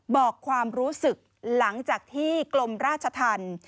บอกความรู้สึกหลังจากที่กลมราชธรรม